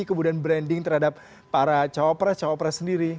kemudian branding terhadap para cawapres cawapres sendiri